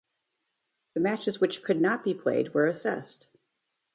The matches which could not be played were assessed.